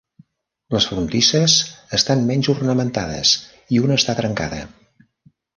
Les frontisses estan menys ornamentades, i una està trencada.